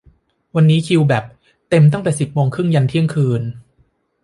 วันนี้คิวแบบ เต็มตั้งแต่สิบโมงครึ่งยันเที่ยงคืน